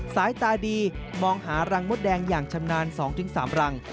สายตาดีมองหารังมดแดงอย่างชำนาญ๒๓รัง